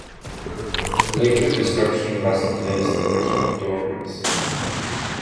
Later destruction has effaced the original doorways.